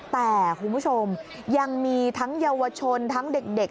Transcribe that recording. แต่คุณผู้ชมยังมีทั้งเยาวชนทั้งเด็ก